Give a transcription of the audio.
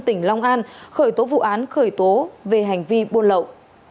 tỉnh long an khởi tố vụ án khởi tố về hành vi buôn lậu